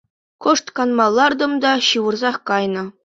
Кӑшт канма лартӑм та ҫывӑрсах кайнӑ.